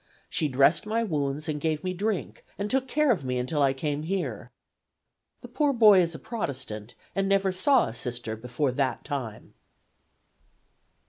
She dressed my wounds and gave me drink, and took care of me until I came here.' The poor boy is a Protestant, and never saw a Sister before that time.